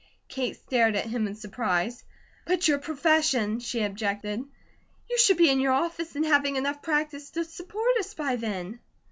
Kate stared at him in surprise: "But your profession," she objected. "You should be in your office and having enough practice to support us by then."